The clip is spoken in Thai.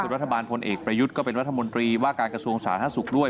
รัฐบาลพลเอกประยุทธ์ก็เป็นรัฐมนตรีว่าการกระทรวงสาธารณสุขด้วย